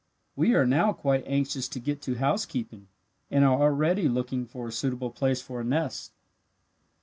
We are now quite anxious to get to housekeeping, and are already looking for a suitable place for a nest."